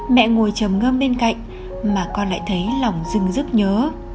mẹ ngồi chầm ngơm bên cạnh mà con lại thấy lòng rưng rức nhớ